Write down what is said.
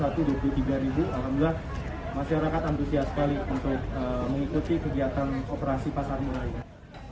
alhamdulillah masyarakat antusias sekali untuk mengikuti kegiatan operasi pasar murah ini